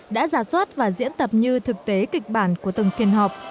đã giả soát và diễn tập như thực tế kịch bản của từng phiên họp